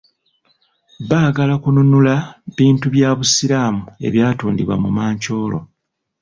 Baagala kunnunula bintu bya Busiraamu ebyatundibwa mu mancooro.